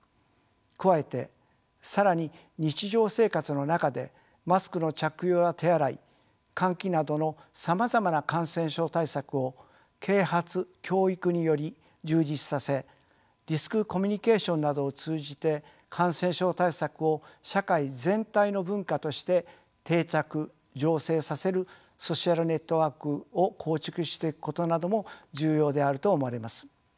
加えて更に日常生活の中でマスクの着用や手洗い換気などのさまざまな感染症対策を啓発教育により充実させリスクコミュニケーションなどを通じて感染症対策を社会全体の文化として定着醸成させるソシアルネットワークを構築していくことなども重要であると思われます。